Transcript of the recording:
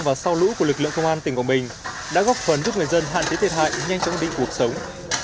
lũ rút của lực lượng công an tỉnh quảng bình đã góp phần giúp người dân hạn chế thiệt hại nhanh chóng định cuộc sống